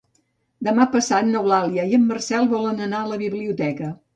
Demà passat n'Eulàlia i en Marcel volen anar a la biblioteca.